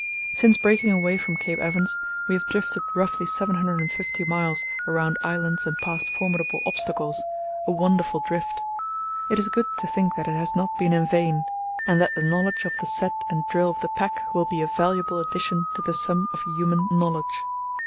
Since breaking away from Cape Evans we have drifted roughly seven hundred and five miles around islands and past formidable obstacles, a wonderful drift! It is good to think that it has not been in vain, and that the knowledge of the set and drill of the pack will be a valuable addition to the sum of human knowledge.